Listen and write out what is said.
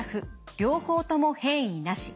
両方とも変異なし。